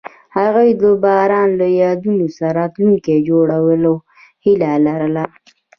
هغوی د باران له یادونو سره راتلونکی جوړولو هیله لرله.